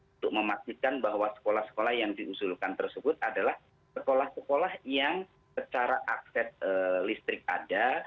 untuk memastikan bahwa sekolah sekolah yang diusulkan tersebut adalah sekolah sekolah yang secara akses listrik ada